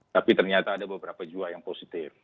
tapi ternyata ada beberapa jiwa yang positif